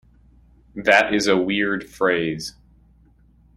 That is a weird phrase.